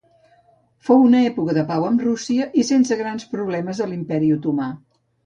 Fou una època de pau amb Rússia i sense grans problemes a l'Imperi Otomà.